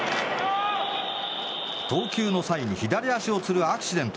投球の際に左足をつるアクシデント。